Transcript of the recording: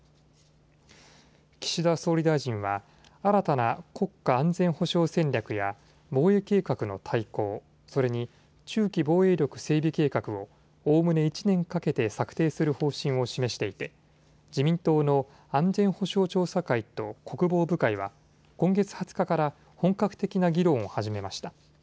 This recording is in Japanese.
岸田総理大臣は新たな国家安全保障戦略や防衛計画の大綱、それに中期防衛力整備計画をおおむね１年かけて策定する方針を示していて自民党の安全保障調査会と国防部会は今月２０日から本格的な議論を始めました。